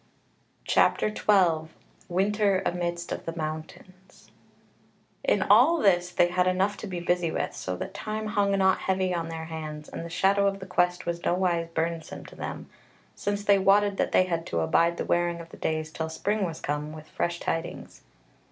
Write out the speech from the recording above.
CHAPTER 12 Winter Amidst of the Mountains In all this they had enough to be busy with, so that time hung not heavy on their hands, and the shadow of the Quest was nowise burdensome to them, since they wotted that they had to abide the wearing of the days till spring was come with fresh tidings.